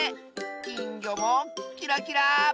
きんぎょもキラキラー！